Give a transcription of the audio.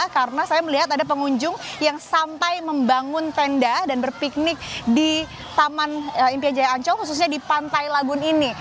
karena saya melihat ada pengunjung yang sampai membangun tenda dan berpiknik di taman impian jaya ancol khususnya di pantai lagun ini